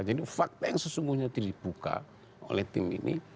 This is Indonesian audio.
jadi fakta yang sesungguhnya dibuka oleh tim ini